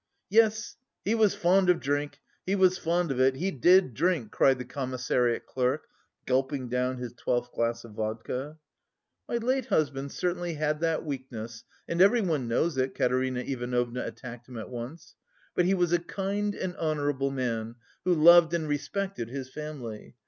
"Yes, he was fond of drink, he was fond of it, he did drink!" cried the commissariat clerk, gulping down his twelfth glass of vodka. "My late husband certainly had that weakness, and everyone knows it," Katerina Ivanovna attacked him at once, "but he was a kind and honourable man, who loved and respected his family.